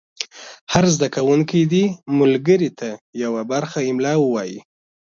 هر زده کوونکی دې ملګري ته یوه برخه املا ووایي.